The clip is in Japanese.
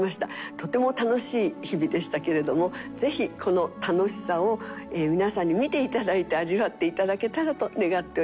とても楽しい日々でしたけれどもぜひこの楽しさを皆さんに見て頂いて味わって頂けたらと願っております。